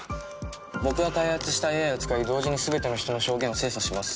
僕が開発したＡＩを使い同時に全ての人の証言を精査します。